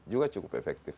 juga cukup efektif